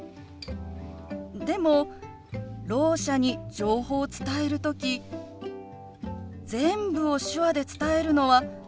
でもろう者に情報を伝える時全部を手話で伝えるのは難しいと思うの。